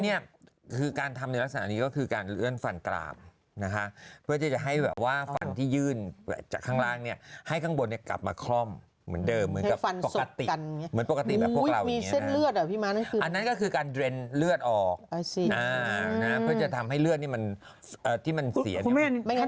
อันนี้คือลูกต่อไปต่อไปต่อไปต่อไปต่อไปต่อไปต่อไปต่อไปต่อไปต่อไปต่อไปต่อไปต่อไปต่อไปต่อไปต่อไปต่อไปต่อไปต่อไปต่อไปต่อไปต่อไปต่อไปต่อไปต่อไปต่อไปต่อไปต่อไปต่อไปต่อไปต่อไปต่อไปต่อไปต่อไปต่อไปต่อไปต่อไปต่อไปต่อไปต่อไปต่อไปต่อไป